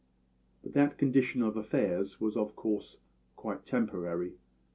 "But that condition of affairs was of course quite temporary.